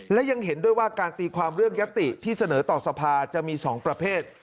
และยังเห็นด้วยว่าการตีความเรื่องยัตติที่เสนอต่อสภาจะมี๒ประเภท